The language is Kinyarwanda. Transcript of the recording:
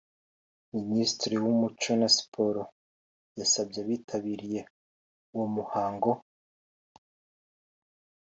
Minisitiri w’umuco na siporo yasabye abitabiriye uwo muhango